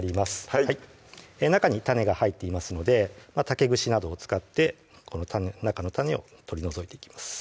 はい中に種が入っていますので竹串などを使って中の種を取り除いていきます